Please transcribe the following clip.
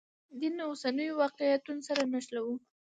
دین اوسنیو واقعیتونو سره نښلوو.